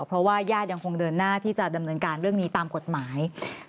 เพราะว่าญาติยังคงเดินหน้าที่จะดำเนินการเรื่องนี้ตามกฎหมาย